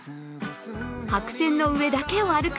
白線の上だけを歩く